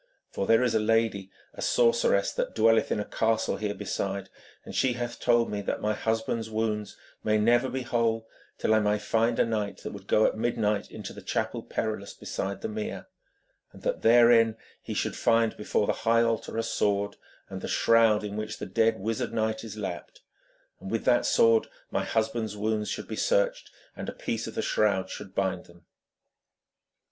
For there is a lady, a sorceress, that dwelleth in a castle here beside, and she hath told me that my husband's wounds may never be whole till I may find a knight that would go at midnight into the Chapel Perilous beside the Mere, and that therein he should find before the high altar a sword, and the shroud in which the dead wizard knight is lapped, and with that sword my husband's wounds should be searched, and a piece of the shroud should bind them.'